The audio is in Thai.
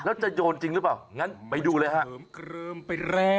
แล้วจะโยนจริงหรือเปล่างั้นไปดูเลยฮะ